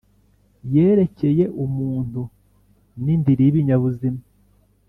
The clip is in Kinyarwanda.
yerekeye umuntu n indiri y ibinyabuzima